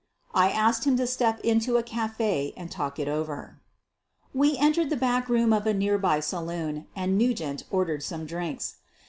I asked him to step into a cafe and talk it over. We entered the back room of a nearby saloon and Nu gent ordered some drinks.